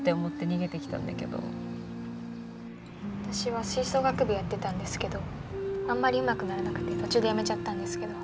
私は吹奏楽部やってたんですけどあんまりうまくならなくて途中でやめちゃったんですけど。